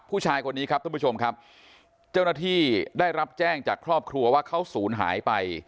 ผู้ชายคนนี้ครับท่านผู้ชมครับเจ้าหน้าที่ได้รับแจ้งจากครอบครัวว่าเขาศูนย์หายไป